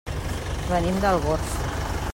Venim d'Algorfa.